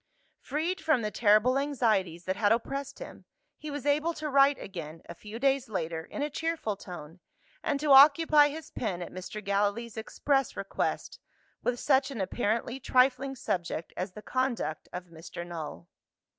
Freed from the terrible anxieties that had oppressed him, he was able to write again, a few days later, in a cheerful tone, and to occupy his pen at Mr. Gallilee's express request, with such an apparently trifling subject as the conduct of Mr. Null.